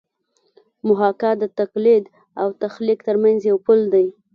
محاکات د تقلید او تخلیق ترمنځ یو پل دی